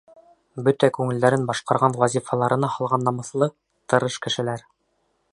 Бөтә күңелдәрен башҡарған вазифаларына һалған намыҫлы, тырыш кешеләр.